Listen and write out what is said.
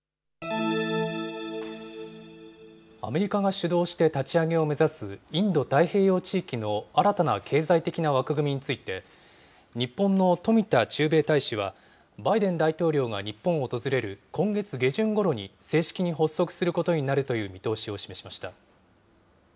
アメリカが主導して立ち上げを目指すインド太平洋地域の新たな経済的な枠組みについて、日本の冨田駐米大使は、バイデン大統領が日本を訪れる今月下旬ごろに正式に発足することになるという見通しを示しました。